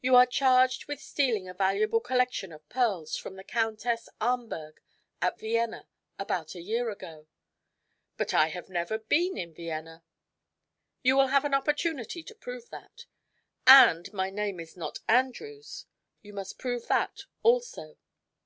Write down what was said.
"You are charged with stealing a valuable collection of pearls from the Countess Ahmberg, at Vienna, about a year ago." "But I have never been in Vienna." "You will have an opportunity to prove that." "And my name is not Andrews." "You must prove that, also."